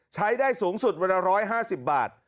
ใช้ได้สูงสุด๑๕๐บาท